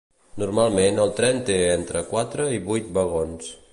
Normalment el tren té entre quatre i vuit vagons.